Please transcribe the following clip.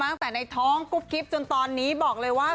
ตั้งแต่ในท้องกุ๊บกิ๊บจนตอนนี้บอกเลยว่า